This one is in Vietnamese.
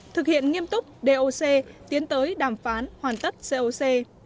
thực hiện nghiêm túc doc tiến tới đàm phán hoàn tất coc